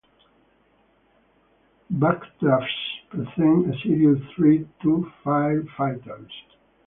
Backdrafts present a serious threat to firefighters.